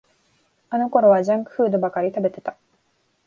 あのころはジャンクフードばかり食べてた